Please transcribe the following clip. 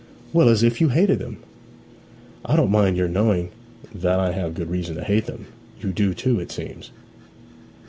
'Well, as if you hated them.' 'I don't mind your knowing that I have good reason to hate them. You do too, it seems?'